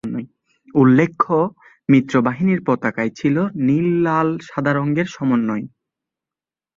উল্লেখ্য মিত্রবাহিনীর পতাকায় ছিল নীল-লাল-সাদা রঙের সমন্বয়।